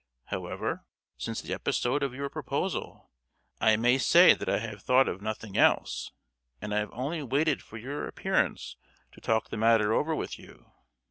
However, since the episode of your proposal, I may say that I have thought of nothing else; and I have only waited for your appearance to talk the matter over with you.